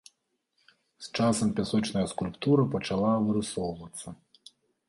З часам пясочная скульптура пачала вырысоўвацца.